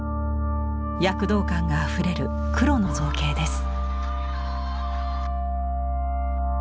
躍動感があふれる黒の造形です。